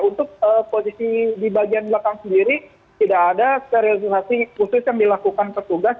untuk posisi di bagian belakang sendiri tidak ada sterilisasi khusus yang dilakukan petugas